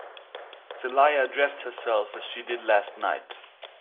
Celia dressed herself as she did last night.